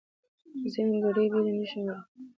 ځینې ګړې بېلې نښې غواړي.